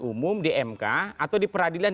umum di mk atau di peradilan